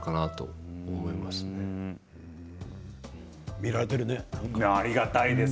見られてるね。